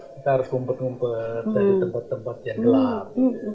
kita harus ngumpet ngumpet dari tempat tempat yang gelap